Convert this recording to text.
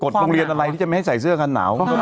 โรงเรียนอะไรที่จะไม่ให้ใส่เสื้อคันหนาว